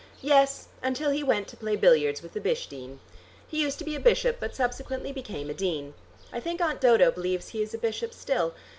"Yes, until he went to play billiards with the Bish dean. He used to be a bishop but subsequently became a dean. I think Aunt Dodo believes he is a bishop still.